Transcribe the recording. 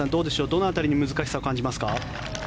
どの辺りに難しさを感じますか。